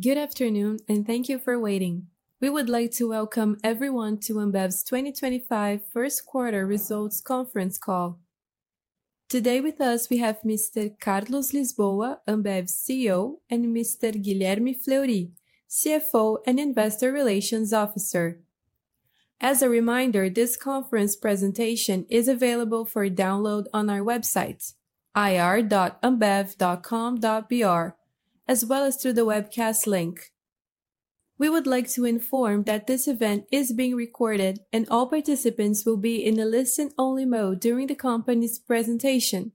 Good afternoon, and thank you for waiting. We would like to welcome everyone to Ambev's 2025 First Quarter Results Conference call. Today with us, we have Mr. Carlos Lisboa, Ambev's CEO, and Mr. Guilherme Fleury, CFO and Investor Relations Officer. As a reminder, this conference presentation is available for download on our website, ir.ambev.com.br, as well as through the webcast link. We would like to inform that this event is being recorded, and all participants will be in a listen-only mode during the company's presentation.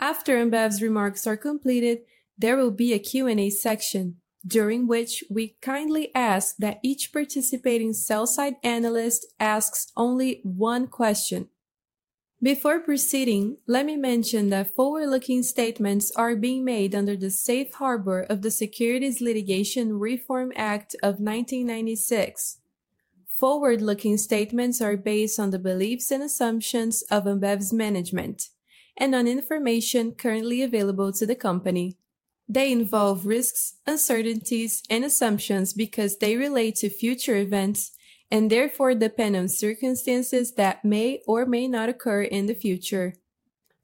After Ambev's remarks are completed, there will be a Q&A section, during which we kindly ask that each participating sell-side analyst ask only one question. Before proceeding, let me mention that forward-looking statements are being made under the safe harbor of the Securities Litigation Reform Act of 1996. Forward-looking statements are based on the beliefs and assumptions of Ambev's management and on information currently available to the company. They involve risks, uncertainties, and assumptions because they relate to future events and therefore depend on circumstances that may or may not occur in the future.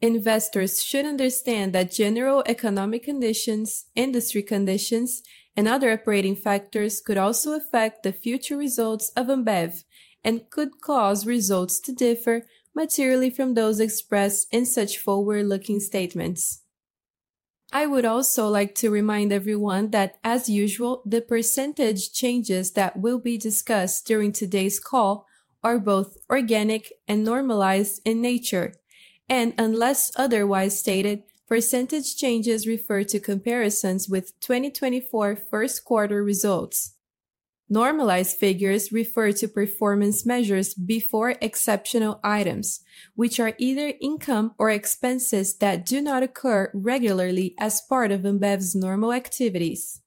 Investors should understand that general economic conditions, industry conditions, and other operating factors could also affect the future results of Ambev and could cause results to differ materially from those expressed in such forward-looking statements. I would also like to remind everyone that, as usual, the percentage changes that will be discussed during today's call are both organic and normalized in nature, and unless otherwise stated, percentage changes refer to comparisons with 2024 First Quarter results. Normalized figures refer to performance measures before exceptional items, which are either income or expenses that do not occur regularly as part of Ambev's normal activities.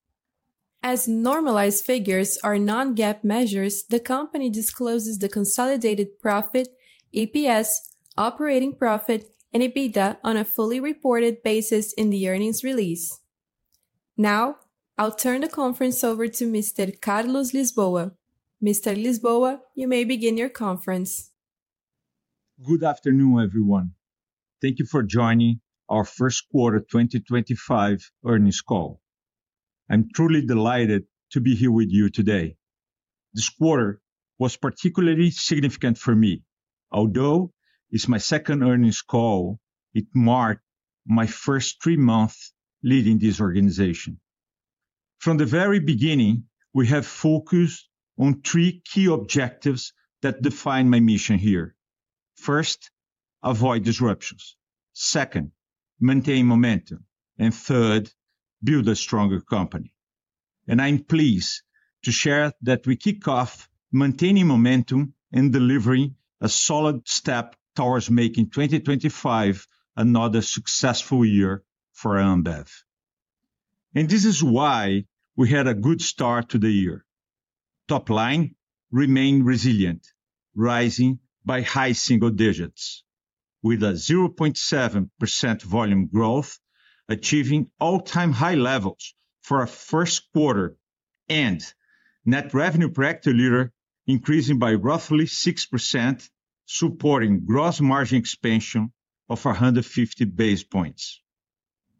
As normalized figures are non-GAAP measures, the company discloses the consolidated profit, EPS, operating profit, and EBITDA on a fully reported basis in the earnings release. Now, I'll turn the conference over to Mr. Carlos Lisboa. Mr. Lisboa, you may begin your conference. Good afternoon, everyone. Thank you for joining our First Quarter 2025 earnings call. I'm truly delighted to be here with you today. This quarter was particularly significant for me. Although it's my second earnings call, it marked my first three months leading this organization. From the very beginning, we have focused on three key objectives that define my mission here. First, avoid disruptions. Second, maintain momentum. And third, build a stronger company, and I'm pleased to share that we kick off maintaining momentum and delivering a solid step towards making 2025 another successful year for Ambev, and this is why we had a good start to the year. Top line remained resilient, rising by high single digits, with a 0.7% volume growth, achieving all-time high levels for a first quarter, and net revenue per hectoliter increasing by roughly 6%, supporting gross margin expansion of 150 bps.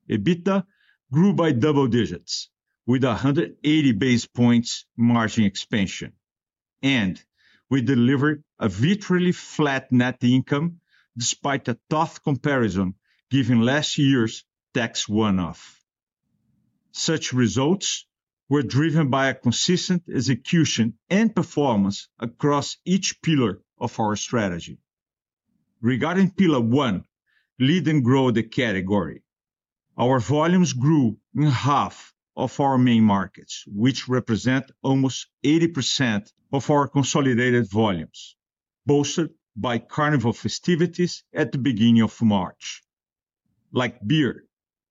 EBITDA grew by double digits, with a 180 bps margin expansion, and we delivered a virtually flat net income despite a tough comparison given last year's tax one-off. Such results were driven by a consistent execution and performance across each pillar of our strategy. Regarding pillar one, leading growth category, our volumes grew in half of our main markets, which represent almost 80% of our consolidated volumes, bolstered by carnival festivities at the beginning of March. Like beer,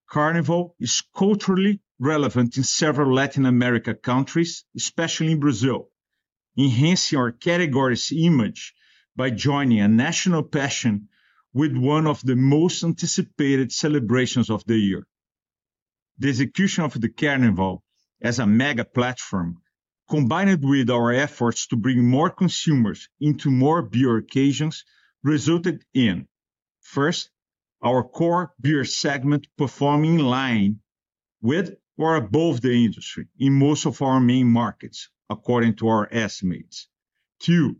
carnival is culturally relevant in several Latin American countries, especially in Brazil, enhancing our category's image by joining a national passion with one of the most anticipated celebrations of the year. The execution of the carnival as a mega platform, combined with our efforts to bring more consumers into more beer occasions, resulted in, first, our core beer segment performing in line with or above the industry in most of our main markets, according to our estimates. Two,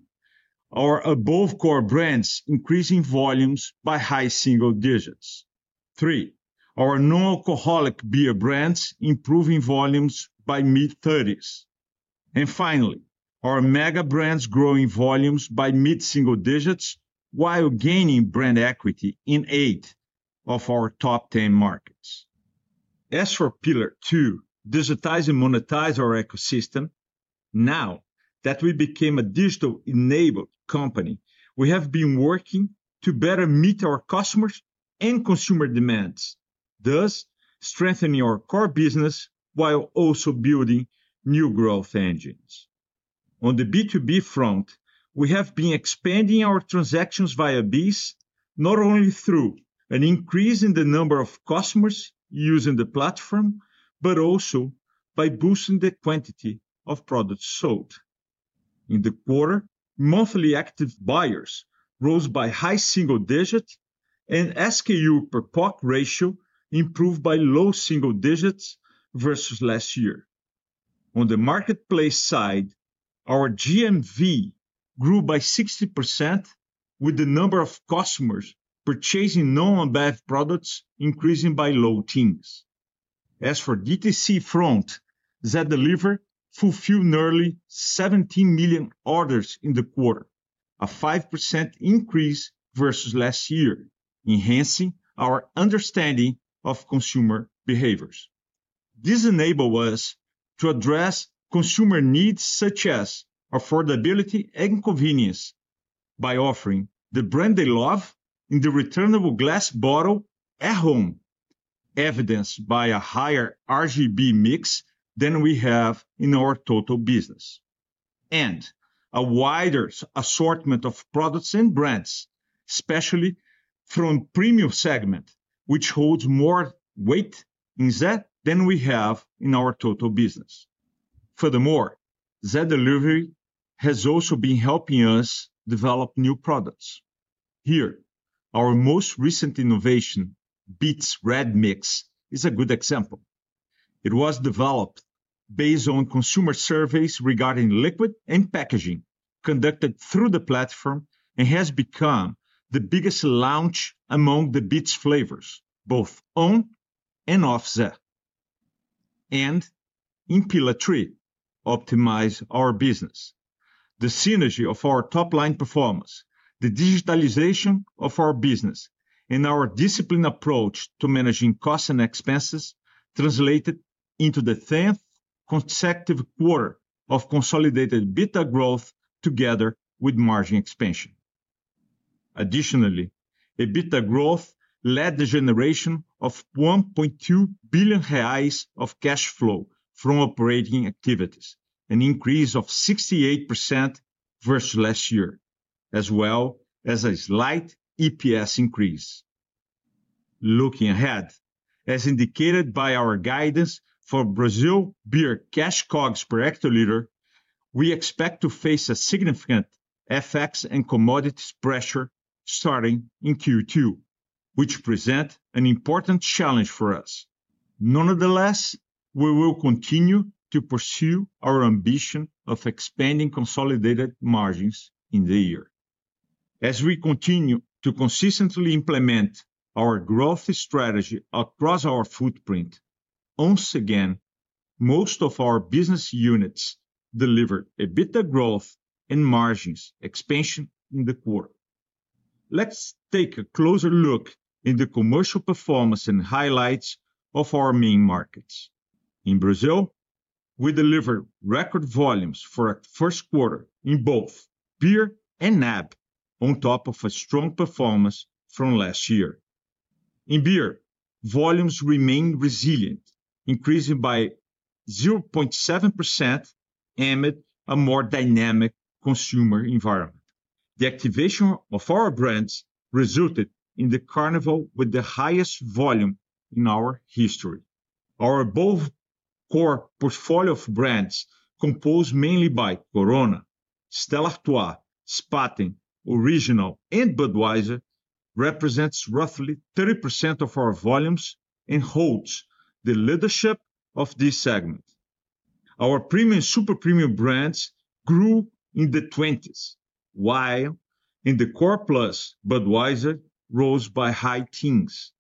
our above-core brands increasing volumes by high single digits. Three, our non-alcoholic beer brands improving volumes by mid-thirties. And finally, our mega brands growing volumes by mid-single digits while gaining brand equity in eight of our top 10 markets. As for pillar two, digitize and monetize our ecosystem. Now that we became a digital-enabled company, we have been working to better meet our customers' and consumer demands, thus strengthening our core business while also building new growth engines. On the B2B front, we have been expanding our transactions via BEES, not only through an increase in the number of customers using the platform, but also by boosting the quantity of products sold. In the quarter, monthly active buyers rose by high single digit, and SKU per pocket ratio improved by low single digits versus last year. On the marketplace side, our GMV grew by 60%, with the number of customers purchasing non-Ambev products increasing by low teens. As for DTC front, Zé Delivery fulfilled nearly 17 million orders in the quarter, a 5% increase versus last year, enhancing our understanding of consumer behaviors. This enabled us to address consumer needs such as affordability and convenience by offering the brand they love in the returnable glass bottle at home, evidenced by a higher RGB mix than we have in our total business, and a wider assortment of products and brands, especially from premium segment, which holds more weight in Zé than we have in our total business. Furthermore, Zé Delivery has also been helping us develop new products. Here, our most recent innovation, Beats Red Mix, is a good example. It was developed based on consumer surveys regarding liquid and packaging conducted through the platform and has become the biggest launch among the Beats flavors, both on and off Zé. And in pillar three, optimize our business. The synergy of our top-line performance, the digitalization of our business, and our disciplined approach to managing costs and expenses translated into the 10th consecutive quarter of consolidated EBITDA growth together with margin expansion. Additionally, EBITDA growth led to the generation of 1.2 billion reais of cash flow from operating activities, an increase of 68% versus last year, as well as a slight EPS increase. Looking ahead, as indicated by our guidance for Brazil Beer cash COGS per hectoliter, we expect to face a significant FX and commodities pressure starting in Q2, which presents an important challenge for us. Nonetheless, we will continue to pursue our ambition of expanding consolidated margins in the year. As we continue to consistently implement our growth strategy across our footprint, once again, most of our business units delivered EBITDA growth and margins expansion in the quarter. Let's take a closer look at the commercial performance and highlights of our main markets. In Brazil, we delivered record volumes for a first quarter in both beer and NAB, on top of a strong performance from last year. In beer, volumes remained resilient, increasing by 0.7% amid a more dynamic consumer environment. The activation of our brands resulted in the carnival with the highest volume in our history. Our above-core portfolio of brands, composed mainly by Corona, Stella Artois, Spaten, Original, and Budweiser, represents roughly 30% of our volumes and holds the leadership of this segment. Our premium and super premium brands grew in the 20s, while in the core plus, Budweiser rose by high teens%.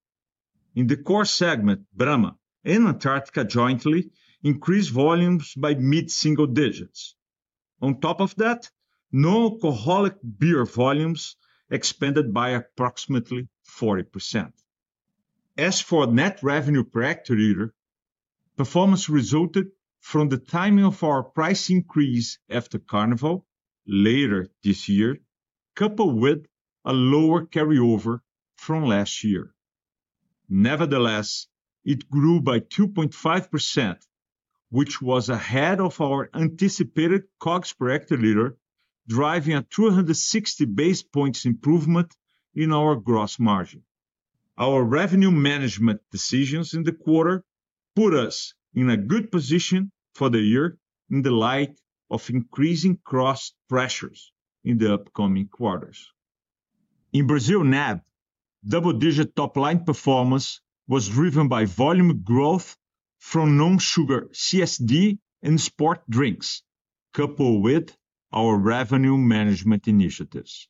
In the core segment, Brahma and Antarctica jointly increased volumes by mid-single digits. On top of that, non-alcoholic beer volumes expanded by approximately 40%. As for net revenue per hectoliter, performance resulted from the timing of our price increase after Carnival later this year, coupled with a lower carryover from last year. Nevertheless, it grew by 2.5%, which was ahead of our anticipated COGS per hectoliter, driving a 260 bps improvement in our gross margin. Our revenue management decisions in the quarter put us in a good position for the year in the light of increasing cost pressures in the upcoming quarters. In Brazil NAB, double-digit top-line performance was driven by volume growth from non-sugar CSD and sports drinks, coupled with our revenue management initiatives.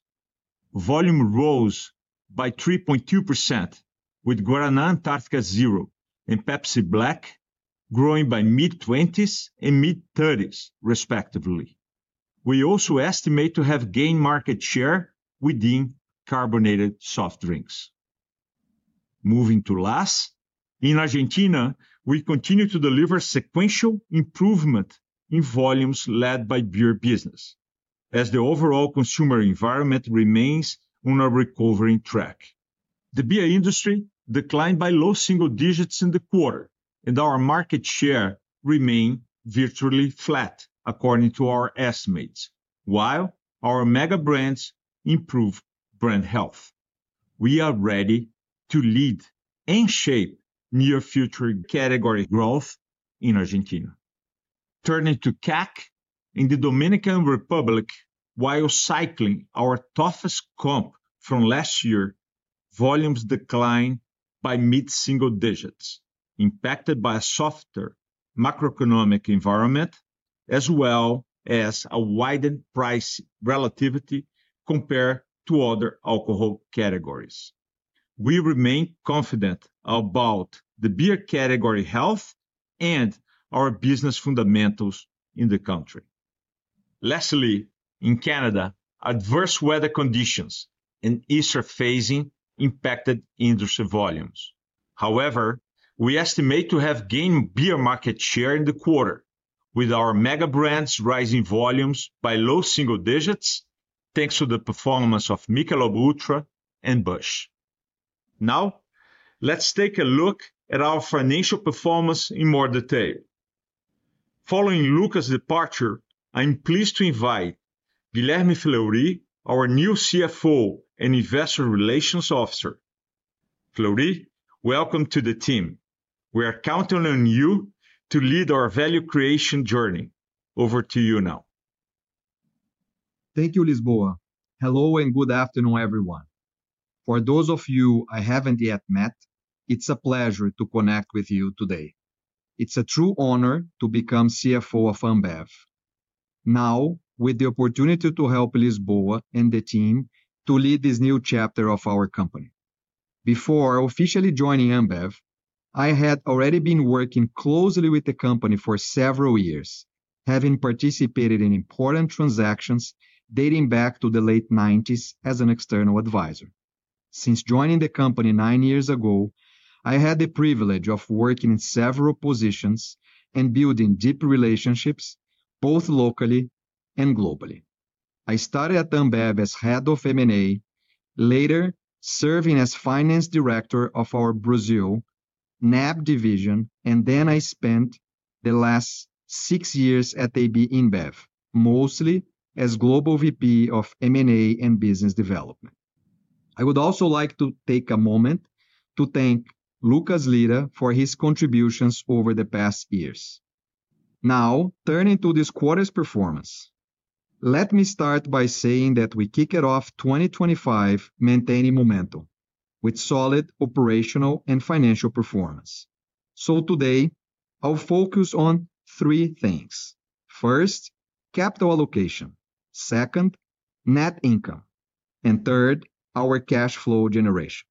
Volume rose by 3.2%, with Guaraná Antarctica Zero and Pepsi Black growing by mid-20s and mid-30s, respectively. We also estimate to have gained market share within carbonated soft drinks. Moving to LAS, in Argentina, we continue to deliver sequential improvement in volumes led by beer business, as the overall consumer environment remains on a recovering track. The beer industry declined by low single digits in the quarter, and our market share remained virtually flat, according to our estimates, while our mega brands improved brand health. We are ready to lead and shape near-future category growth in Argentina. Turning to CAC in the Dominican Republic, while cycling our toughest comp from last year, volumes declined by mid-single digits, impacted by a softer macroeconomic environment, as well as a widened price relativity compared to other alcohol categories. We remain confident about the beer category health and our business fundamentals in the country. Lastly, in Canada, adverse weather conditions and Easter phasing impacted industry volumes. However, we estimate to have gained beer market share in the quarter, with our mega brands rising volumes by low single digits, thanks to the performance of Michelob Ultra and Busch. Now, let's take a look at our financial performance in more detail. Following Lucas' departure, I'm pleased to invite Guilherme Fleury, our new CFO and investor relations officer. Fleury, welcome to the team. We are counting on you to lead our value creation journey. Over to you now. Thank you, Lisboa. Hello and good afternoon, everyone. For those of you I haven't yet met, it's a pleasure to connect with you today. It's a true honor to become CFO of Ambev. Now, with the opportunity to help Lisboa and the team to lead this new chapter of our company. Before officially joining Ambev, I had already been working closely with the company for several years, having participated in important transactions dating back to the late 1990s as an external advisor. Since joining the company nine years ago, I had the privilege of working in several positions and building deep relationships, both locally and globally. I started at Ambev as head of M&A, later serving as finance director of our Brazil NAB division, and then I spent the last six years at AB InBev, mostly as global VP of M&A and business development. I would also like to take a moment to thank Lucas Lira for his contributions over the past years. Now, turning to this quarter's performance, let me start by saying that we kicked off 2025 maintaining momentum with solid operational and financial performance. So today, I'll focus on three things. First, capital allocation. Second, net income. And third, our cash flow generation.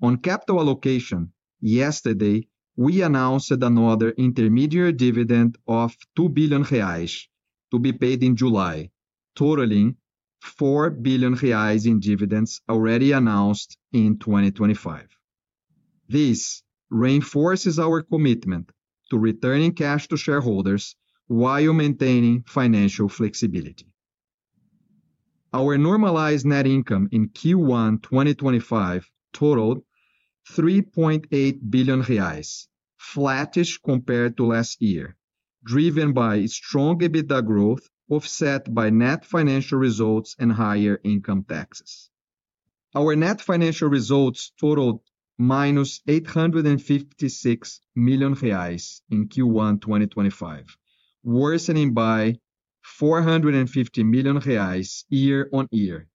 On capital allocation, yesterday, we announced another intermediate dividend of 2 billion reais to be paid in July, totaling 4 billion reais in dividends already announced in 2025. This reinforces our commitment to returning cash to shareholders while maintaining financial flexibility. Our normalized net income in Q1 2025 totaled 3.8 billion reais, flattish compared to last year, driven by strong EBITDA growth offset by net financial results and higher income taxes. Our net financial results totaled -856 million reais in Q1 2025, worsening by 450 million reais year on year,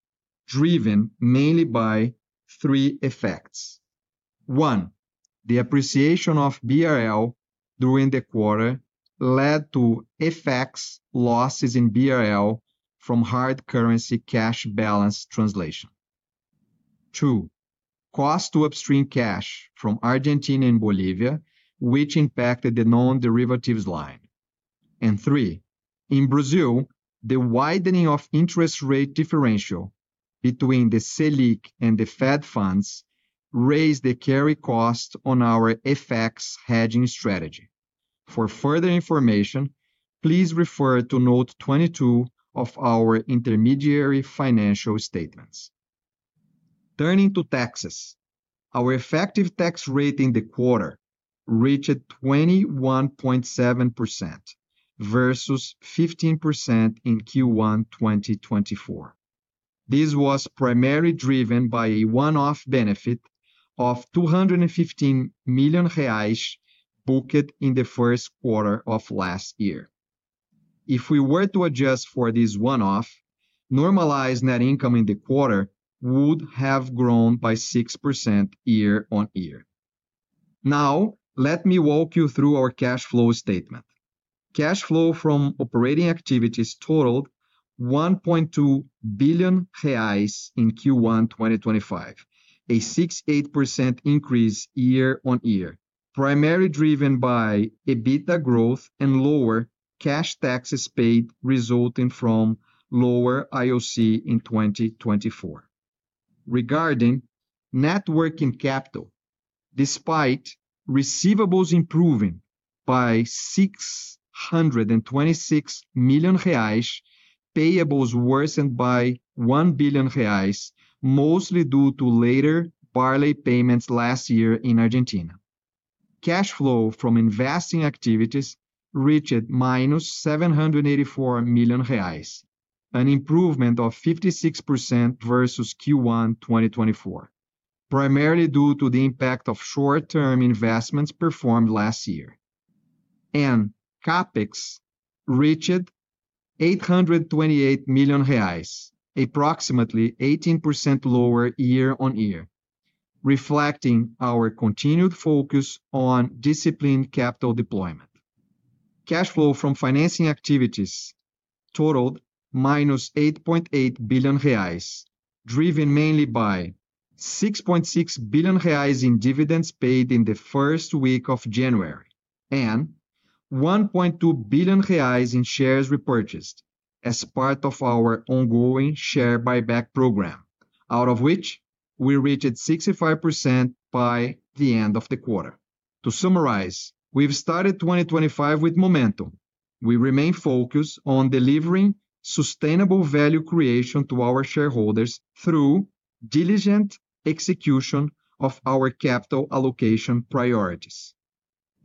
driven mainly by three effects. One, the appreciation of BRL during the quarter led to FX losses in BRL from hard currency cash balance translation. Two, cost to upstream cash from Argentina and Bolivia, which impacted the non-derivatives line. And three, in Brazil, the widening of interest rate differential between the SELIC and the Fed funds raised the carry cost on our FX hedging strategy. For further information, please refer to note 22 of our interim financial statements. Turning to taxes, our effective tax rate in the quarter reached 21.7% versus 15% in Q1 2024. This was primarily driven by a one-off benefit of 215 million reais booked in the first quarter of last year. If we were to adjust for this one-off, normalized net income in the quarter would have grown by 6% year on year. Now, let me walk you through our cash flow statement. Cash flow from operating activities totaled 1.2 billion reais in Q1 2025, a 68% increase year on year, primarily driven by EBITDA growth and lower cash taxes paid resulting from lower IOC in 2024. Regarding working capital, despite receivables improving by 626 million reais, payables worsened by 1 billion reais, mostly due to later barley payments last year in Argentina. Cash flow from investing activities reached -784 million reais, an improvement of 56% versus Q1 2024, primarily due to the impact of short-term investments performed last year, and CapEx reached 828 million reais, approximately 18% lower year on year, reflecting our continued focus on disciplined capital deployment. Cash flow from financing activities totaled -8.8 billion reais, driven mainly by 6.6 billion reais in dividends paid in the first week of January, and 1.2 billion reais in shares repurchased as part of our ongoing share buyback program, out of which we reached 65% by the end of the quarter. To summarize, we've started 2025 with momentum. We remain focused on delivering sustainable value creation to our shareholders through diligent execution of our capital allocation priorities.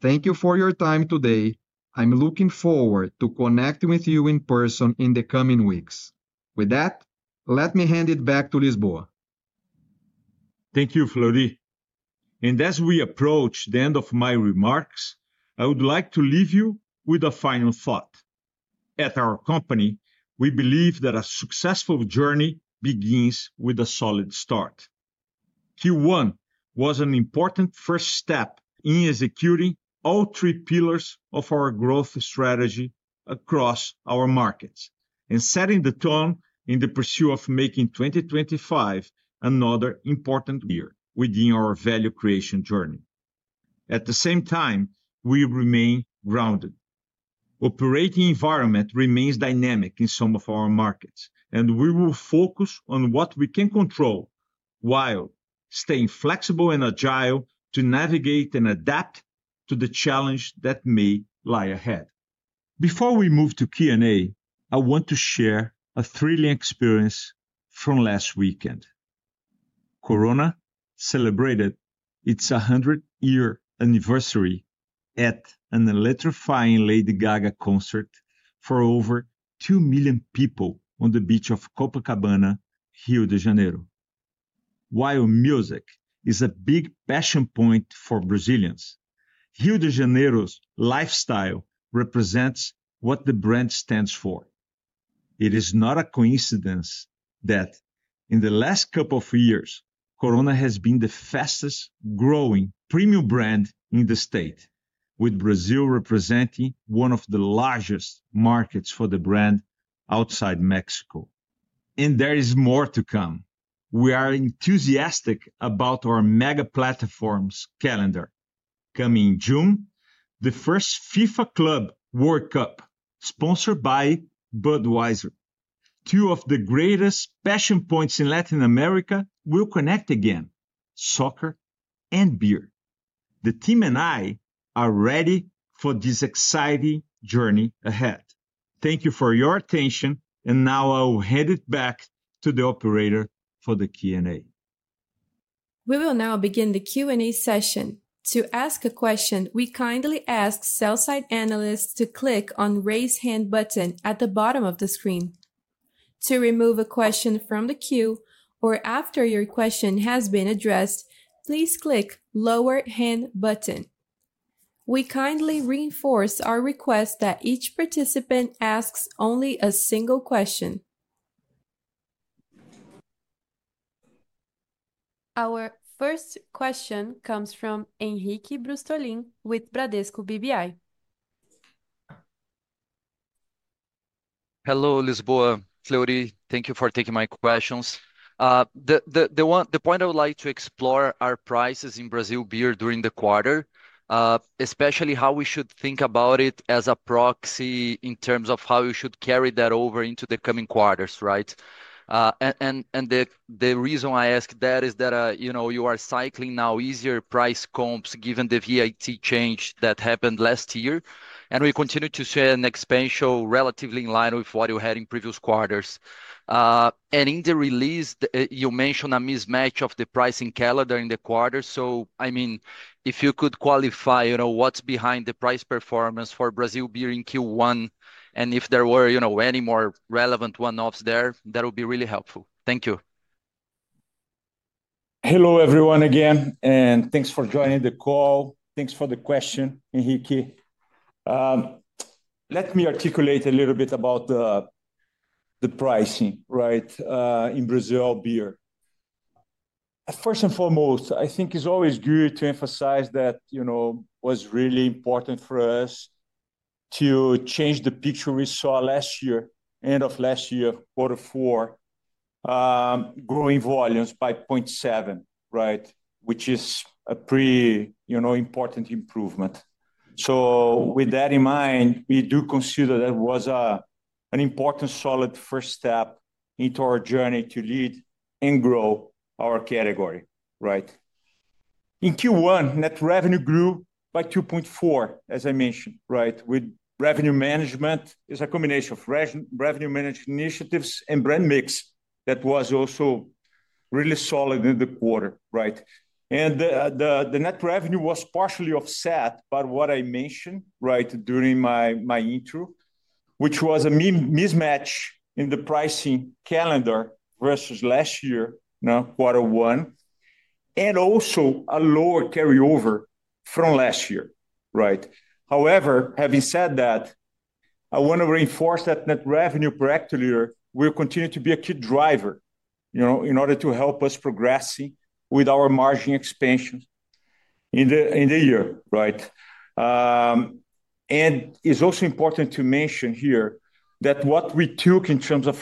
Thank you for your time today. I'm looking forward to connecting with you in person in the coming weeks. With that, let me hand it back to Lisboa. Thank you, Fleury. And as we approach the end of my remarks, I would like to leave you with a final thought. At our company, we believe that a successful journey begins with a solid start. Q1 was an important first step in executing all three pillars of our growth strategy across our markets and setting the tone in the pursuit of making 2025 another important year within our value creation journey. At the same time, we remain grounded. Operating environment remains dynamic in some of our markets, and we will focus on what we can control while staying flexible and agile to navigate and adapt to the challenge that may lie ahead. Before we move to Q&A, I want to share a thrilling experience from last weekend. Corona celebrated its 100-year anniversary at an electrifying Lady Gaga concert for over two million people on the beach of Copacabana, Rio de Janeiro. While music is a big passion point for Brazilians, Rio de Janeiro's lifestyle represents what the brand stands for. It is not a coincidence that in the last couple of years, Corona has been the fastest-growing premium brand in the state, with Brazil representing one of the largest markets for the brand outside Mexico. And there is more to come. We are enthusiastic about our mega platforms calendar. Coming in June, the first FIFA Club World Cup, sponsored by Budweiser. Two of the greatest passion points in Latin America will connect again: soccer and beer. The team and I are ready for this exciting journey ahead. Thank you for your attention, and now I'll hand it back to the operator for the Q&A. We will now begin the Q&A session. To ask a question, we kindly ask sell-side analysts to click on the raise hand button at the bottom of the screen. To remove a question from the queue or after your question has been addressed, please click the lower hand button. We kindly reinforce our request that each participant asks only a single question. Our first question comes from Henrique Brustolin with Bradesco BBI. Hello, Lisboa. Fleury, thank you for taking my questions. The one point I would like to explore are prices in Brazil Beer during the quarter, especially how we should think about it as a proxy in terms of how we should carry that over into the coming quarters, right? The reason I ask that is that, you know, you are cycling now easier price comps given the VAT change that happened last year, and we continue to see an expansion relatively in line with what you had in previous quarters. In the release, you mentioned a mismatch of the pricing calendar in the quarter. I mean, if you could qualify, you know, what's behind the price performance for Brazil Beer in Q1, and if there were, you know, any more relevant one-offs there, that would be really helpful. Thank you. Hello, everyone again, and thanks for joining the call. Thanks for the question, Henrique. Let me articulate a little bit about the pricing, right, in Brazil Beer. First and foremost, I think it's always good to emphasize that, you know, it was really important for us to change the picture we saw last year, end of last year, quarter four, growing volumes by 0.7%, right, which is a pretty, you know, important improvement. So, with that in mind, we do consider that it was an important solid first step into our journey to lead and grow our category, right? In Q1, net revenue grew by 2.4%, as I mentioned, right? With revenue management, it's a combination of revenue management initiatives and brand mix that was also really solid in the quarter, right? The net revenue was partially offset by what I mentioned, right, during my intro, which was a mismatch in the pricing calendar versus last year, you know, quarter one, and also a lower carryover from last year, right? However, having said that, I want to reinforce that net revenue per hectoliter will continue to be a key driver, you know, in order to help us progress with our margin expansion in the year, right? It's also important to mention here that what we took in terms of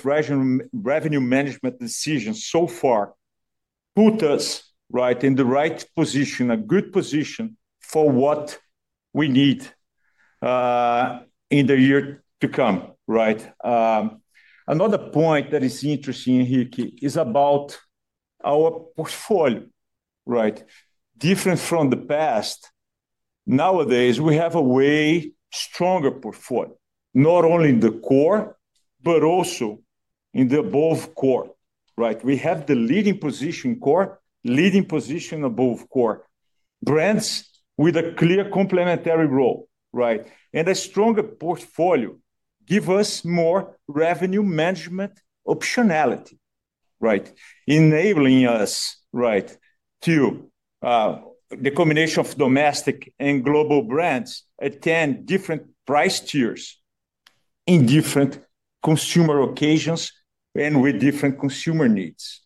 revenue management decisions so far put us, right, in the right position, a good position for what we need in the year to come, right? Another point that is interesting, Henrique, is about our portfolio, right? Different from the past, nowadays, we have a way stronger portfolio, not only in the core, but also in the above core, right? We have the leading position core, leading position above core, brands with a clear complementary role, right? And a stronger portfolio gives us more revenue management optionality, right? Enabling us, right, to, the combination of domestic and global brands at 10 different price tiers in different consumer occasions and with different consumer needs,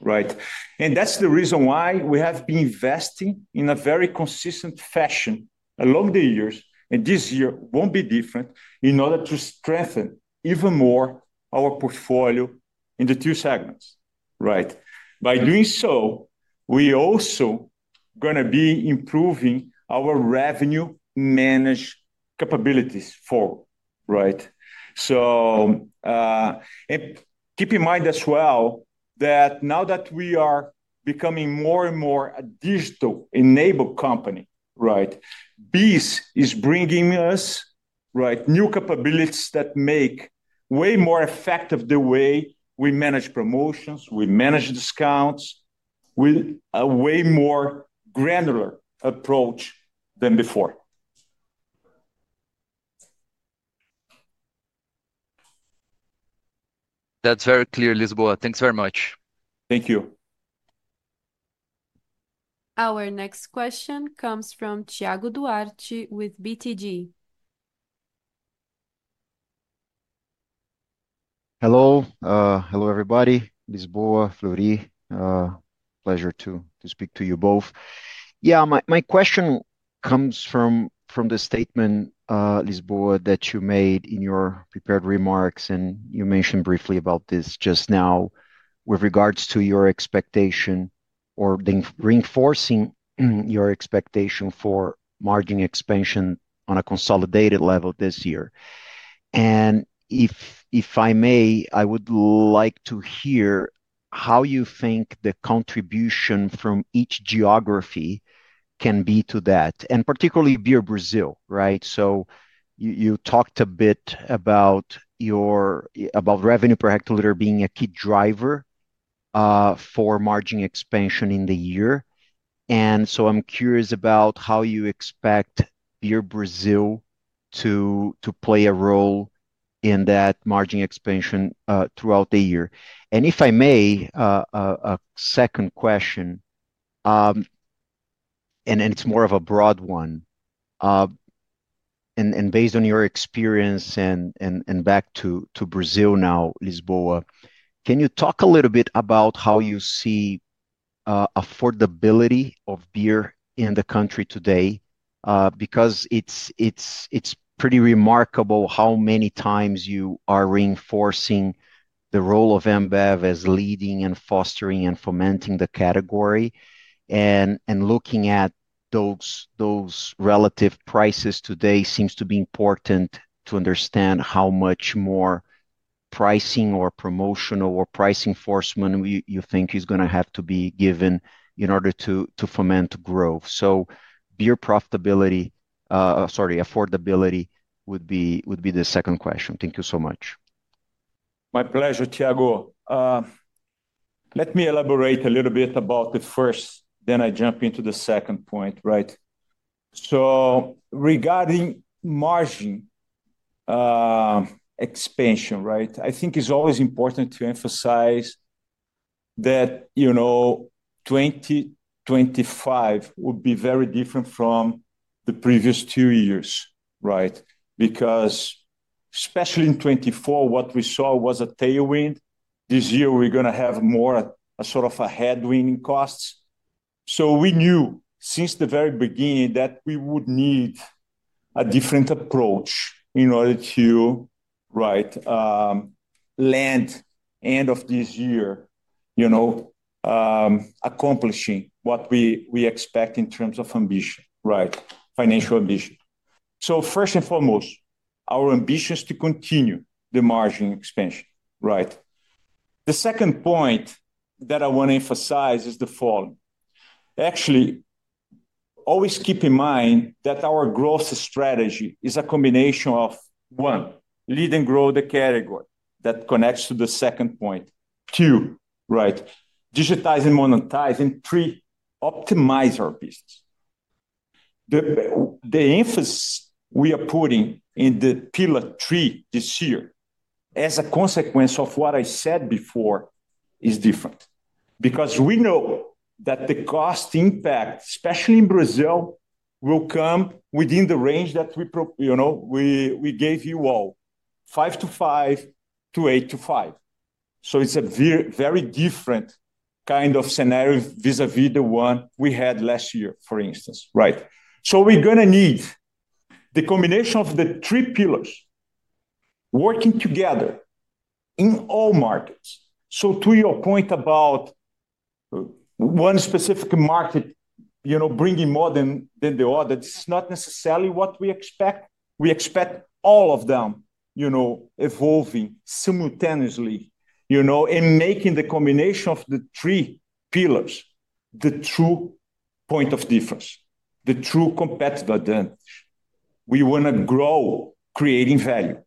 right? And that's the reason why we have been investing in a very consistent fashion along the years, and this year won't be different in order to strengthen even more our portfolio in the two segments, right? By doing so, we also are going to be improving our revenue management capabilities forward, right? So, and keep in mind as well that now that we are becoming more and more a digital-enabled company, right? This is bringing us, right, new capabilities that make way more effective the way we manage promotions, we manage discounts, with a way more granular approach than before. That's very clear, Lisboa. Thanks very much. Thank you. Our next question comes from Tiago Duarte with BTG. Hello, everybody. Lisboa, Fleury, pleasure to speak to you both. Yeah, my question comes from the statement, Lisboa, that you made in your prepared remarks, and you mentioned briefly about this just now with regards to your expectation or the reinforcing your expectation for margin expansion on a consolidated level this year. And if I may, I would like to hear how you think the contribution from each geography can be to that, and particularly Beer Brazil, right? So you talked a bit about your revenue per hectoliter being a key driver for margin expansion in the year. And so I'm curious about how you expect Beer Brazil to play a role in that margin expansion throughout the year. And if I may, a second question, and it's more of a broad one. Based on your experience and back to Brazil now, Lisboa, can you talk a little bit about how you see affordability of beer in the country today? Because it's pretty remarkable how many times you are reinforcing the role of Ambev as leading and fostering and fomenting the category. Looking at those relative prices today seems to be important to understand how much more pricing or promotional or price enforcement you think is going to have to be given in order to foment growth. So beer profitability, sorry, affordability would be the second question. Thank you so much. My pleasure, Tiago. Let me elaborate a little bit about the first, then I jump into the second point, right? So regarding margin expansion, right, I think it's always important to emphasize that, you know, 2025 would be very different from the previous two years, right? Because especially in 2024, what we saw was a tailwind. This year, we're going to have more a sort of a headwind in costs. So we knew since the very beginning that we would need a different approach in order to, right, land end of this year, you know, accomplishing what we expect in terms of ambition, right? Financial ambition. So first and foremost, our ambition is to continue the margin expansion, right? The second point that I want to emphasize is the following. Actually, always keep in mind that our growth strategy is a combination of one, lead and grow the category that connects to the second point, two, right, digitize and monetize, and three, optimize our business. The emphasis we are putting in the pillar three this year as a consequence of what I said before is different because we know that the cost impact, especially in Brazil, will come within the range that we, you know, we gave you all, 5.5% to 8.5%. So it's a very different kind of scenario vis-à-vis the one we had last year, for instance, right? So we're going to need the combination of the three pillars working together in all markets. So to your point about one specific market, you know, bringing more than the other, this is not necessarily what we expect. We expect all of them, you know, evolving simultaneously, you know, and making the combination of the three pillars the true point of difference, the true competitive advantage. We want to grow creating value,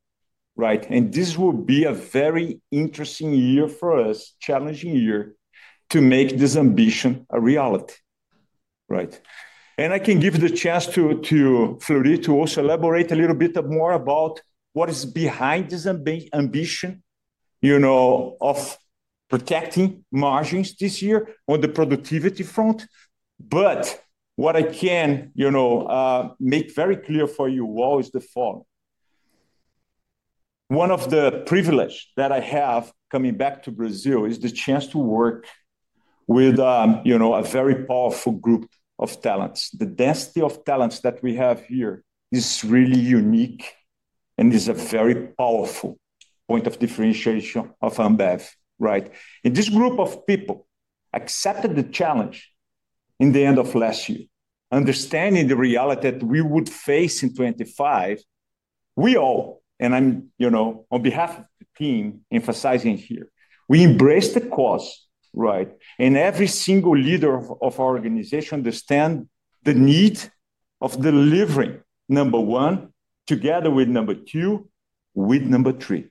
right? And this will be a very interesting year for us, challenging year to make this ambition a reality, right? And I can give you the chance to Fleury to also elaborate a little bit more about what is behind this ambition, you know, of protecting margins this year on the productivity front. But what I can, you know, make very clear for you all is the following. One of the privileges that I have coming back to Brazil is the chance to work with, you know, a very powerful group of talents. The density of talents that we have here is really unique and is a very powerful point of differentiation of Ambev, right? This group of people accepted the challenge in the end of last year, understanding the reality that we would face in 2025. We all, and I'm, you know, on behalf of the team emphasizing here, we embraced the cause, right? Every single leader of our organization understands the need of delivering number one together with number two, with number three.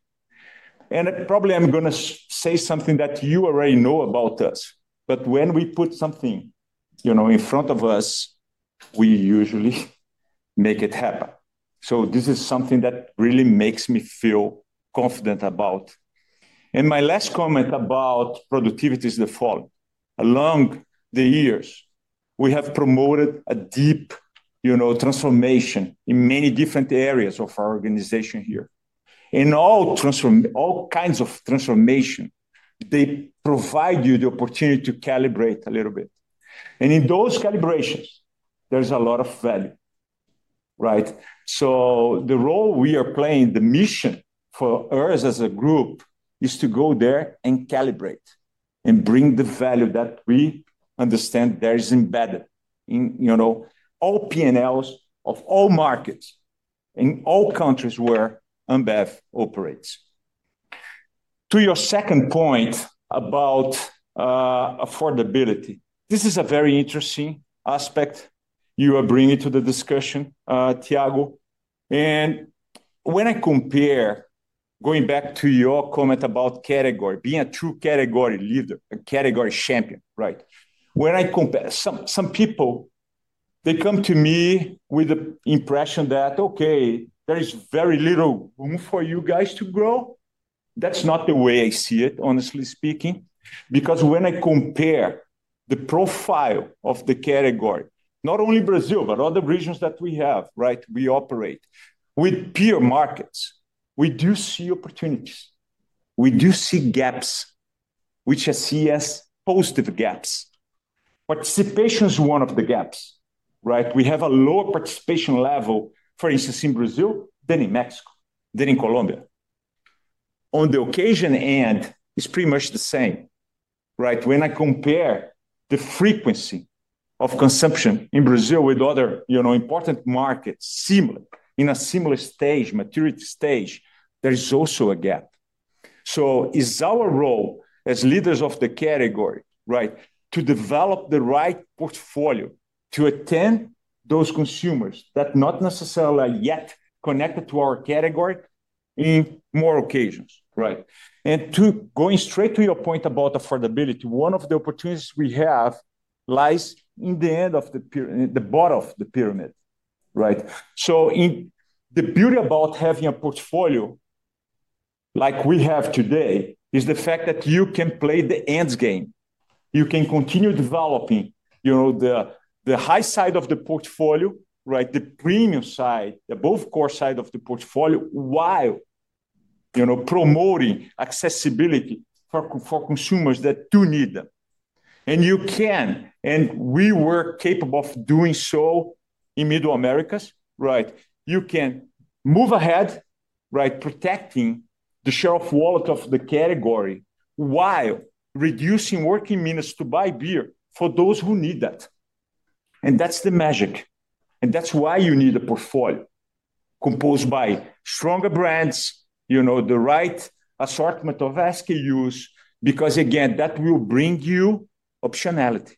Probably I'm going to say something that you already know about us, but when we put something, you know, in front of us, we usually make it happen. So this is something that really makes me feel confident about. My last comment about productivity is the following. Along the years, we have promoted a deep, you know, transformation in many different areas of our organization here. All transform, all kinds of transformation, they provide you the opportunity to calibrate a little bit. In those calibrations, there's a lot of value, right? So the role we are playing, the mission for us as a group is to go there and calibrate and bring the value that we understand there is embedded in, you know, all P&Ls of all markets in all countries where Ambev operates. To your second point about affordability, this is a very interesting aspect you are bringing to the discussion, Tiago. When I compare, going back to your comment about category, being a true category leader, a category champion, right? When I compare some people, they come to me with the impression that, okay, there is very little room for you guys to grow. That's not the way I see it, honestly speaking, because when I compare the profile of the category, not only Brazil, but other regions that we have, right, we operate with peer markets, we do see opportunities. We do see gaps, which I see as positive gaps. Participation is one of the gaps, right? We have a lower participation level, for instance, in Brazil, than in Mexico, than in Colombia. On the occasion end, it's pretty much the same, right? When I compare the frequency of consumption in Brazil with other, you know, important markets, similar in a similar stage, maturity stage, there is also a gap. So it's our role as leaders of the category, right, to develop the right portfolio to attend those consumers that not necessarily are yet connected to our category in more occasions, right? And going straight to your point about affordability, one of the opportunities we have lies in the end of the pyramid, the bottom of the pyramid, right? So the beauty about having a portfolio like we have today is the fact that you can play the end game. You can continue developing, you know, the high side of the portfolio, right? The premium side, the above-core side of the portfolio while, you know, promoting accessibility for consumers that do need them. And you can, and we were capable of doing so in Middle America, right? You can move ahead, right, protecting the share of wallet of the category while reducing working minutes to buy beer for those who need that. And that's the magic. That's why you need a portfolio composed by stronger brands, you know, the right assortment of SKUs, because again, that will bring you optionality.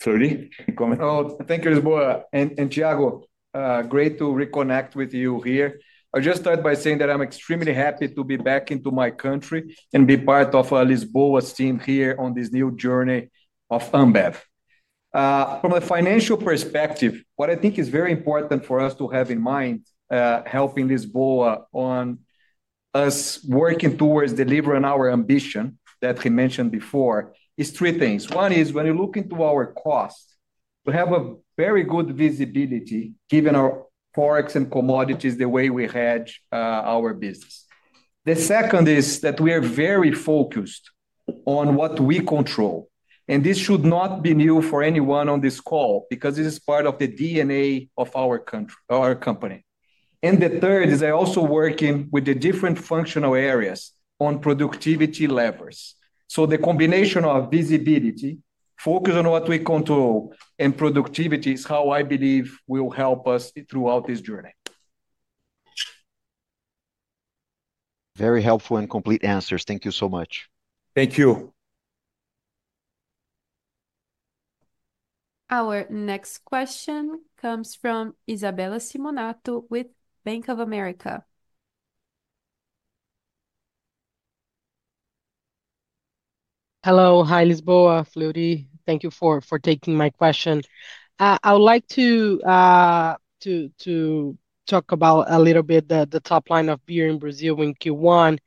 Fleury, any comment? Oh, thank you, Lisboa. And Tiago, great to reconnect with you here. I just start by saying that I'm extremely happy to be back into my country and be part of a Lisboa's team here on this new journey of Ambev. From a financial perspective, what I think is very important for us to have in mind helping Lisboa on us working towards delivering our ambition that he mentioned before is three things. One is when you look into our cost, we have a very good visibility given our forex and commodities the way we had our business. The second is that we are very focused on what we control. And this should not be new for anyone on this call because this is part of the DNA of our country, our company. And the third is I also working with the different functional areas on productivity levers. So the combination of visibility, focus on what we control, and productivity is how I believe will help us throughout this journey. Very helpful and complete answers. Thank you so much. Thank you. Our next question comes from Isabella Simonato with Bank of America. Hello. Hi, Lisboa, Fleury. Thank you for taking my question. I would like to talk about a little bit the top line of beer in Brazil in Q1.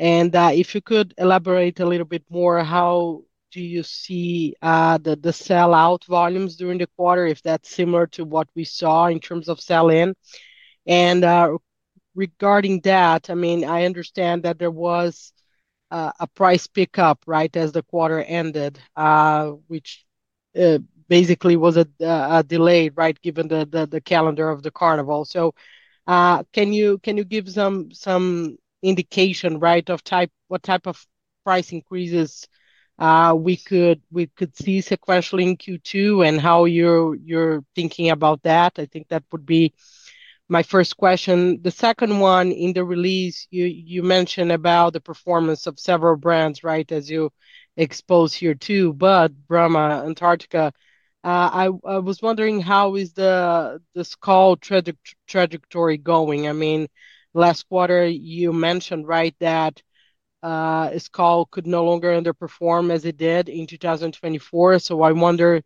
And if you could elaborate a little bit more, how do you see the sell-out volumes during the quarter, if that's similar to what we saw in terms of sell-in? And regarding that, I mean, I understand that there was a price pickup, right, as the quarter ended, which basically was a delay, right, given the calendar of the carnival. So can you give some indication, right, of what type of price increases we could see sequentially in Q2 and how you're thinking about that? I think that would be my first question. The second one, in the release, you mentioned about the performance of several brands, right, as you expose here too, Bud, Brahma, Antarctica. I was wondering how is the Skol trajectory going? I mean, last quarter, you mentioned, right, that Skol could no longer underperform as it did in 2024. So I wonder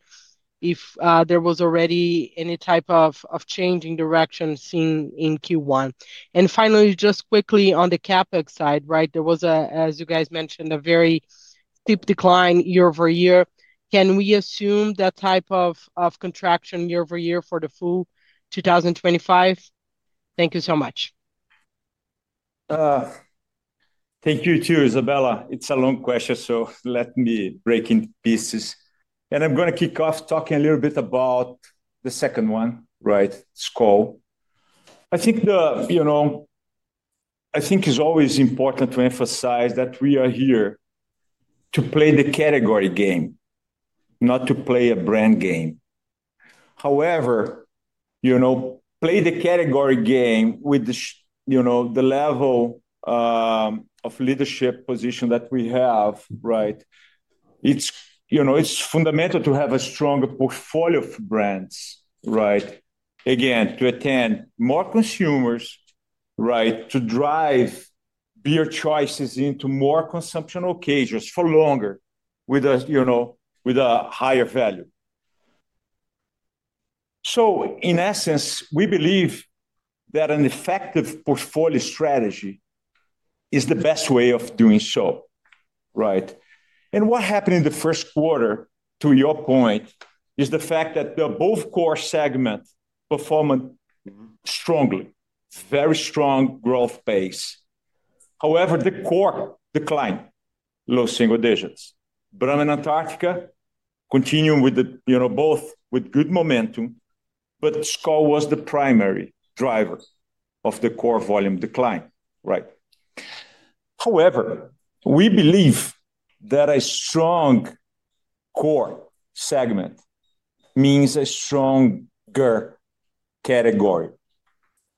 if there was already any type of changing direction seen in Q1. And finally, just quickly on the CapEx side, right, there was, as you guys mentioned, a very steep decline year-over-year. Can we assume that type of contraction year-over-year for the full 2025? Thank you so much. Thank you too, Isabella. It's a long question, so let me break into pieces, and I'm going to kick off talking a little bit about the second one, right, Skol. I think the, you know, I think it's always important to emphasize that we are here to play the category game, not to play a brand game. However, you know, play the category game with the, you know, the level of leadership position that we have, right? It's, you know, it's fundamental to have a stronger portfolio of brands, right? Again, to attend more consumers, right, to drive beer choices into more consumption occasions for longer with a, you know, with a higher value. So in essence, we believe that an effective portfolio strategy is the best way of doing so, right? What happened in the first quarter, to your point, is the fact that the both core segment performed strongly, very strong growth pace. However, the core declined, low single digits. Brahma and Antarctica continued with the, you know, both with good momentum, but Skol was the primary driver of the core volume decline, right? However, we believe that a strong core segment means a stronger category,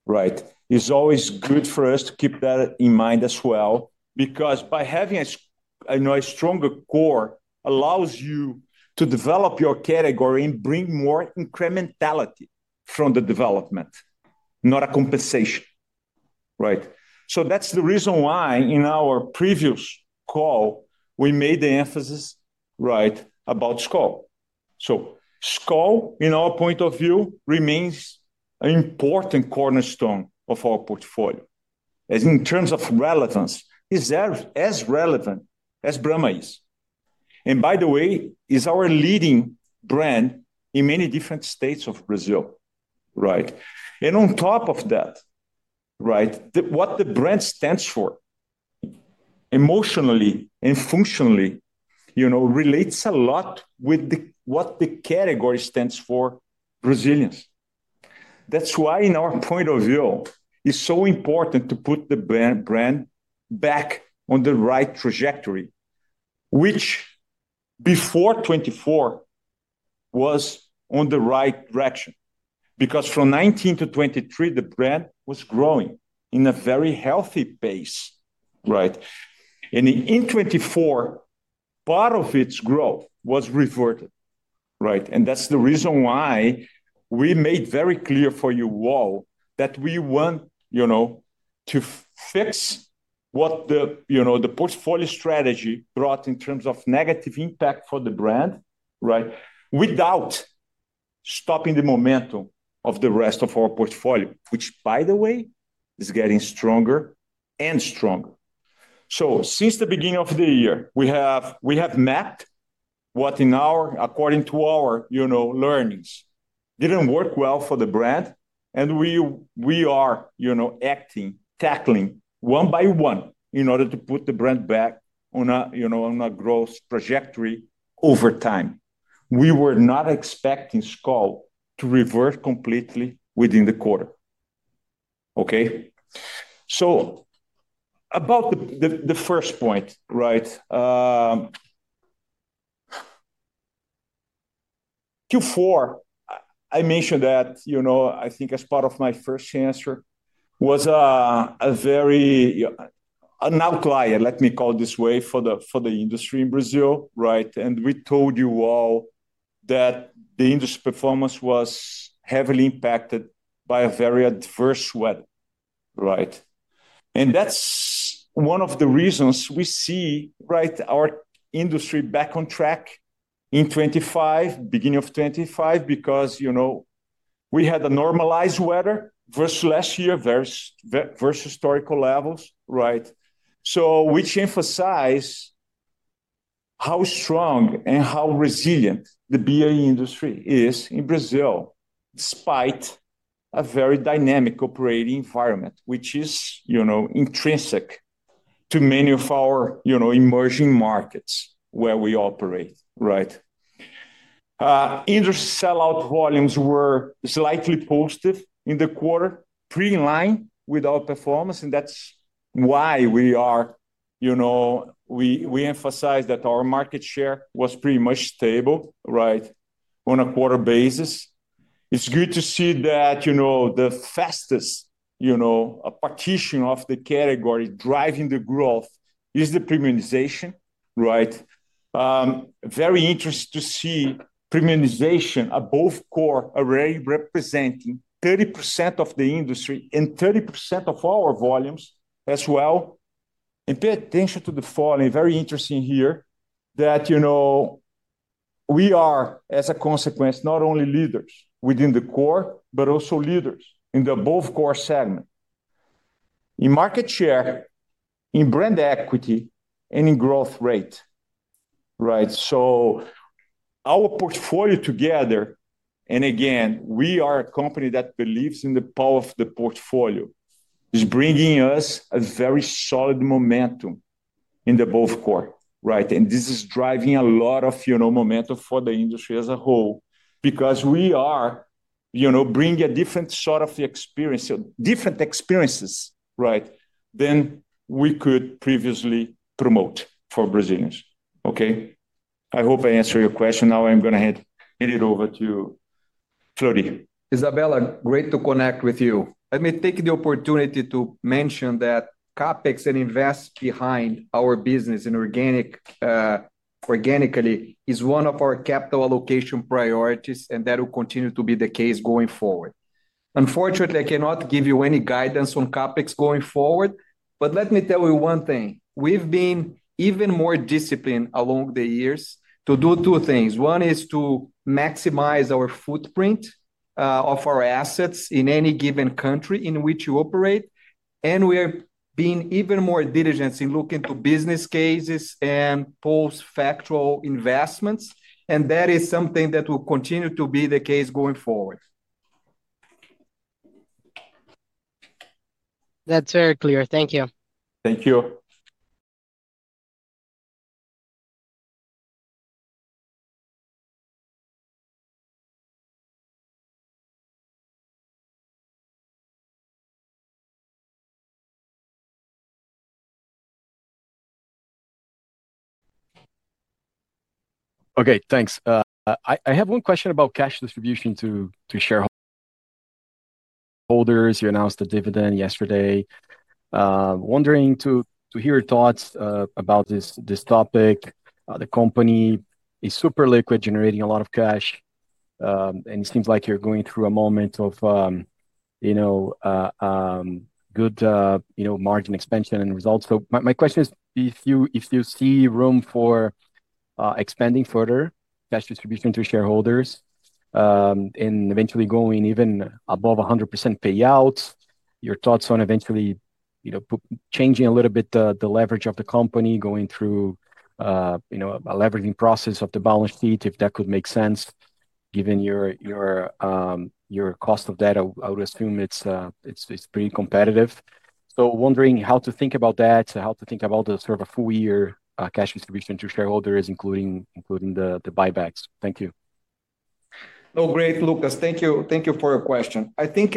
right? It's always good for us to keep that in mind as well because by having a, you know, a stronger core allows you to develop your category and bring more incrementality from the development, not a compensation, right? So that's the reason why in our previous call, we made the emphasis, right, about Skol. So Skol, in our point of view, remains an important cornerstone of our portfolio. As in terms of relevance, it's as relevant as Brahma is. And by the way, it's our leading brand in many different states of Brazil, right? And on top of that, right, what the brand stands for emotionally and functionally, you know, relates a lot with what the category stands for, Brazilians. That's why in our point of view, it's so important to put the brand back on the right trajectory, which before 2024 was on the right direction because from 2019 to 2023, the brand was growing in a very healthy pace, right? And in 2024, part of its growth was reverted, right? And that's the reason why we made very clear for you all that we want, you know, to fix what the, you know, the portfolio strategy brought in terms of negative impact for the brand, right, without stopping the momentum of the rest of our portfolio, which, by the way, is getting stronger and stronger. So since the beginning of the year, we have mapped what, according to our, you know, learnings didn't work well for the brand. And we are, you know, acting, tackling one by one in order to put the brand back on a, you know, on a growth trajectory over time. We were not expecting Skol to revert completely within the quarter, okay? So about the first point, right? Q4, I mentioned that, you know, I think as part of my first answer was a very an outlier, let me call it this way, for the industry in Brazil, right? And we told you all that the industry performance was heavily impacted by a very adverse weather, right? And that's one of the reasons we see, right, our industry back on track in 2025, beginning of 2025, because, you know, we had a normalized weather versus last year, versus historical levels, right? So we emphasize how strong and how resilient the beer industry is in Brazil despite a very dynamic operating environment, which is, you know, intrinsic to many of our, you know, emerging markets where we operate, right? Industry sell-out volumes were slightly positive in the quarter, in line with our performance. And that's why we are, you know, we emphasize that our market share was pretty much stable, right, on a quarter basis. It's good to see that, you know, the fastest, you know, participation of the category driving the growth is the premiumization, right? Very interesting to see premiumization of above-core already representing 30% of the industry and 30% of our volumes as well. Pay attention to the following. Very interesting here that, you know, we are, as a consequence, not only leaders within the core, but also leaders in the above-core segment, in market share, in brand equity, and in growth rate, right? Our portfolio together, and again, we are a company that believes in the power of the portfolio, is bringing us a very solid momentum in the above-core, right? This is driving a lot of, you know, momentum for the industry as a whole because we are, you know, bringing a different sort of experience, different experiences, right, than we could previously promote for Brazilians, okay? I hope I answered your question. Now I'm going to hand it over to Fleury. Isabella, great to connect with you. Let me take the opportunity to mention that CapEx and investment behind our business organically is one of our capital allocation priorities and that will continue to be the case going forward. Unfortunately, I cannot give you any guidance on CapEx going forward, but let me tell you one thing. We have been even more disciplined over the years to do two things. One is to maximize our footprint of our assets in any given country in which we operate. We are being even more diligent in looking at business cases and post-facto investments. That is something that will continue to be the case going forward. That's very clear. Thank you. Thank you. Okay, thanks. I have one question about cash distribution to shareholders. You announced a dividend yesterday. Wondering to hear your thoughts about this topic. The company is super liquid, generating a lot of cash, and it seems like you're going through a moment of, you know, good, you know, margin expansion and results. So my question is, if you see room for expanding further cash distribution to shareholders and eventually going even above 100% payout, your thoughts on eventually, you know, changing a little bit the leverage of the company, going through, you know, a leveraging process of the balance sheet, if that could make sense given your cost of debt, I would assume it's pretty competitive. So wondering how to think about that, how to think about the sort of a full-year cash distribution to shareholders, including the buybacks. Thank you. No, great, Lucas. Thank you for your question. I think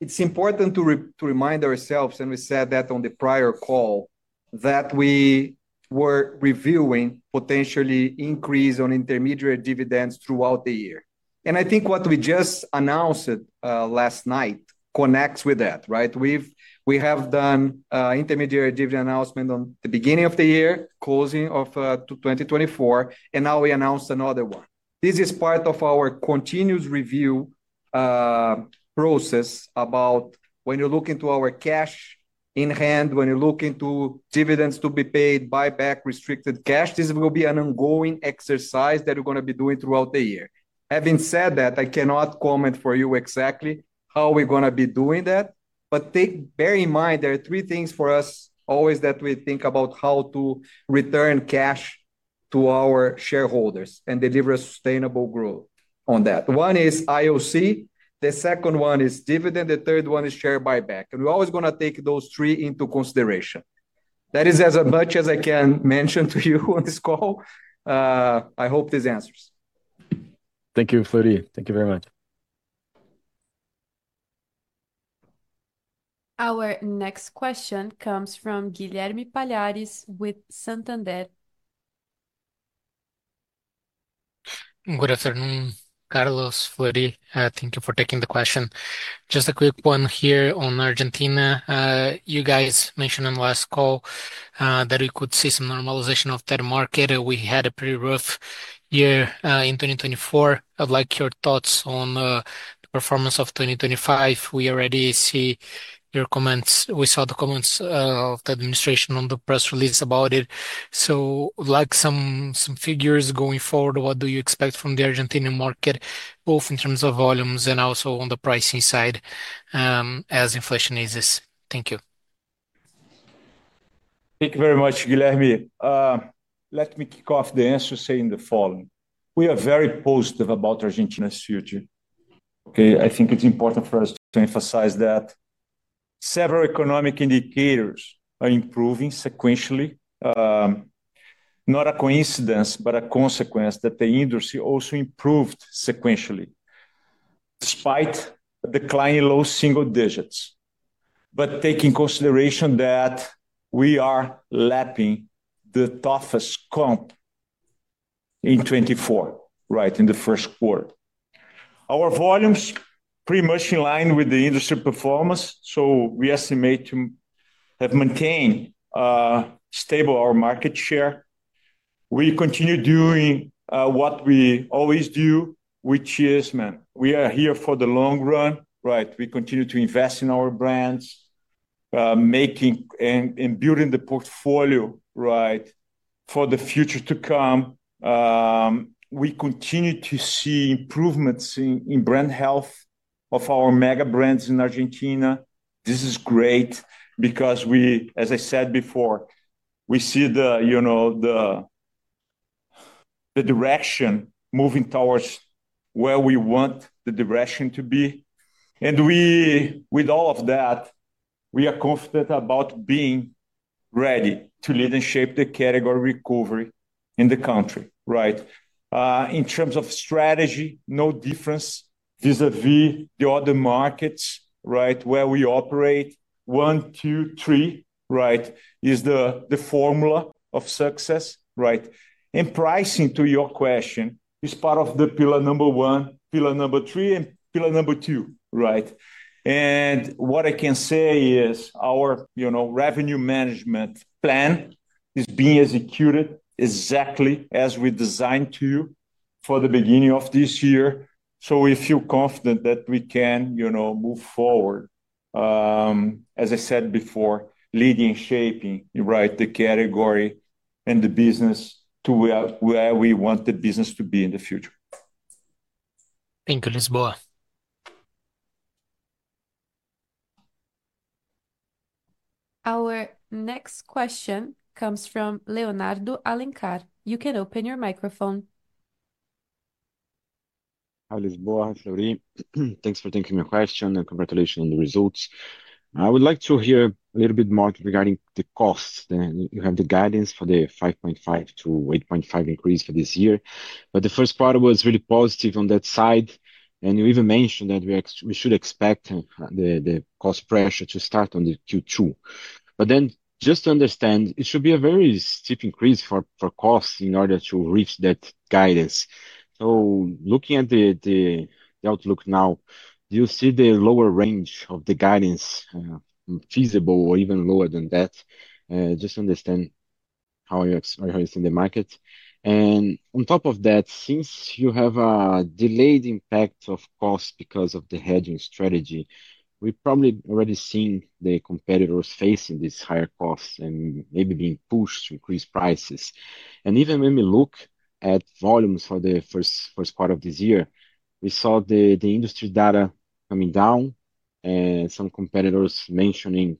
it's important to remind ourselves, and we said that on the prior call, that we were reviewing potentially increase on intermediate dividends throughout the year. And I think what we just announced last night connects with that, right? We have done intermediate dividend announcement on the beginning of the year, closing of 2024, and now we announced another one. This is part of our continuous review process about when you look into our cash in hand, when you look into dividends to be paid, buyback, restricted cash, this will be an ongoing exercise that we're going to be doing throughout the year. Having said that, I cannot comment for you exactly how we're going to be doing that, but bear in mind there are three things for us always that we think about how to return cash to our shareholders and deliver a sustainable growth on that. One is IOC. The second one is dividend. The third one is share buyback. And we're always going to take those three into consideration. That is as much as I can mention to you on this call. I hope this answers. Thank you, Fleury. Thank you very much. Our next question comes from Guilherme Palhares with Santander. Good afternoon, Carlos, Fleury. Thank you for taking the question. Just a quick one here on Argentina. You guys mentioned on last call that we could see some normalization of that market. We had a pretty rough year in 2024. I'd like your thoughts on the performance of 2025. We already see your comments. We saw the comments of the administration on the press release about it. So like some figures going forward, what do you expect from the Argentine market, both in terms of volumes and also on the pricing side as inflation eases? Thank you. Thank you very much, Guilherme. Let me kick off the answer saying the following. We are very positive about Argentina. This future, okay? I think it's important for us to emphasize that several economic indicators are improving sequentially, not a coincidence, but a consequence that the industry also improved sequentially despite the climb in low single digits. But taking consideration that we are lapping the toughest comp in 2024, right, in the first quarter. Our volumes pretty much in line with the industry performance. So we estimate to have maintained stable our market share. We continue doing what we always do, which is, man, we are here for the long run, right? We continue to invest in our brands, making and building the portfolio, right, for the future to come. We continue to see improvements in brand health of our mega brands in Argentina. This is great because we, as I said before, we see the, you know, the direction moving towards where we want the direction to be, and with all of that, we are confident about being ready to lead and shape the category recovery in the country, right? In terms of strategy, no difference vis-à-vis the other markets, right, where we operate. One, two, three, right, is the formula of success, right? And pricing, to your question, is part of the pillar number one, pillar number three, and pillar number two, right, and what I can say is our, you know, revenue management plan is being executed exactly as we designed to for the beginning of this year. So we feel confident that we can, you know, move forward, as I said before, leading and shaping, right, the category and the business to where we want the business to be in the future. Thank you, Lisboa. Our next question comes from Leonardo Alencar. You can open your microphone. Hi, Lisboa, Fleury. Thanks for taking my question and congratulations on the results. I would like to hear a little bit more regarding the cost. You have the guidance for the 5.5% to 8.5% increase for this year. The first quarter was really positive on that side. You even mentioned that we should expect the cost pressure to start in Q2. To understand, it should be a very steep increase for costs in order to reach that guidance. Looking at the outlook now, do you see the lower range of the guidance feasible or even lower than that? To understand how you're seeing the market. On top of that, since you have a delayed impact of costs because of the hedging strategy, we've probably already seen the competitors facing these higher costs and maybe being pushed to increase prices. And even when we look at volumes for the first quarter of this year, we saw the industry data coming down, some competitors mentioning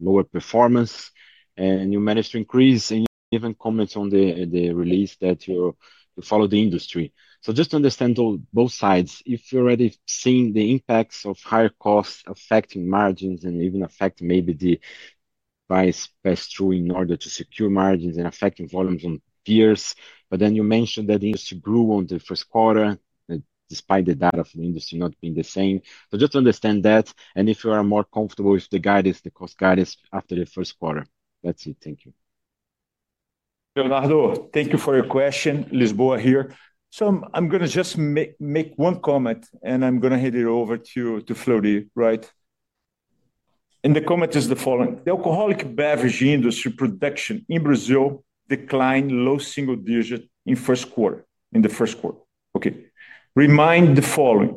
lower performance, and you managed to increase. And you even comment on the release that you follow the industry. So just to understand both sides, if you're already seeing the impacts of higher costs affecting margins and even affecting maybe the price pass-through in order to secure margins and affecting volumes on peers. But then you mentioned that the industry grew on the first quarter despite the data from the industry not being the same. So just to understand that. And if you are more comfortable with the guidance, the cost guidance after the first quarter. That's it. Thank you. Leonardo, thank you for your question. Lisboa here. So I'm going to just make one comment, and I'm going to hand it over to Fleury, right? And the comment is the following. The alcoholic beverage industry production in Brazil declined low single digit in first quarter, in the first quarter. Okay. Remind the following.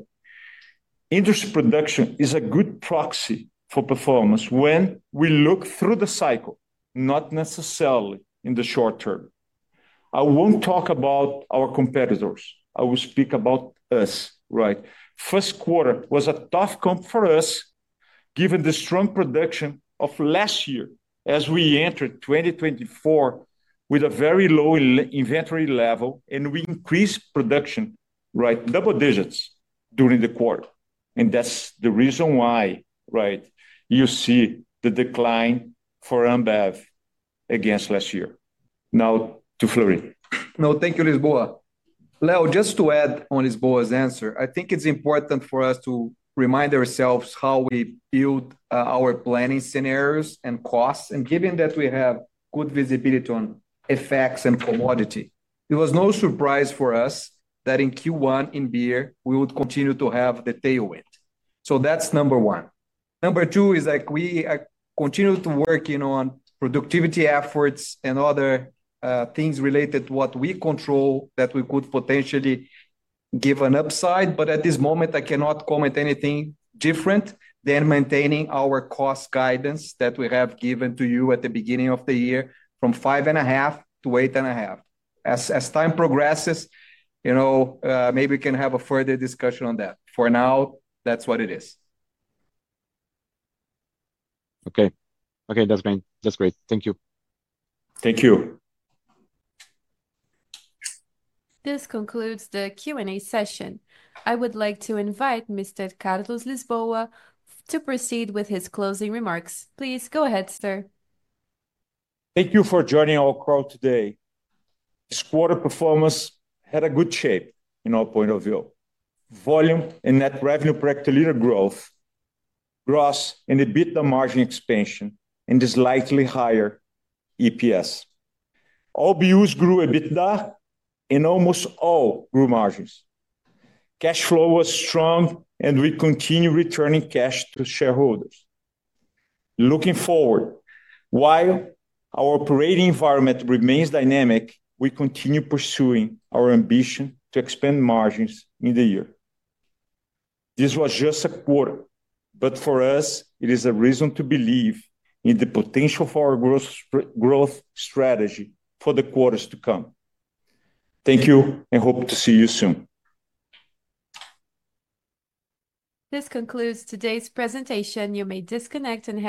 Industry production is a good proxy for performance when we look through the cycle, not necessarily in the short term. I won't talk about our competitors. I will speak about us, right? First quarter was a tough comp for us given the strong production of last year as we entered 2024 with a very low inventory level, and we increased production, right, double digits during the quarter. And that's the reason why, right, you see the decline for Ambev against last year. Now to Fleury. Now, thank you, Lisboa. Leo, just to add on Lisboa's answer, I think it's important for us to remind ourselves how we build our planning scenarios and costs, and given that we have good visibility on FX and commodity, it was no surprise for us that in Q1 in beer, we would continue to have the tailwind, that's number one. Number two is like we continue to work on productivity efforts and other things related to what we control that we could potentially give an upside, but at this moment, I cannot comment anything different than maintaining our cost guidance that we have given to you at the beginning of the year from five and a half to eight and a half. As time progresses, you know, maybe we can have a further discussion on that. For now, that's what it is. Okay. Okay, that's great. That's great. Thank you. Thank you. This concludes the Q&A session. I would like to invite Mr. Carlos Lisboa to proceed with his closing remarks. Please go ahead, sir. Thank you for joining our call today. This quarter performance had a good shape in our point of view. Volume and net revenue per hectoliter growth gross and EBITDA margin expansion and is slightly higher EPS. All BUs grew EBIT and almost all grew margins. Cash flow was strong and we continue returning cash to shareholders. Looking forward, while our operating environment remains dynamic, we continue pursuing our ambition to expand margins in the year. This was just a quarter, but for us, it is a reason to believe in the potential for our growth strategy for the quarters to come. Thank you and hope to see you soon. This concludes today's presentation. You may disconnect and.